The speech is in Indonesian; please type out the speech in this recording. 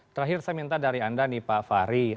terakhir saya minta dari anda nih pak fahri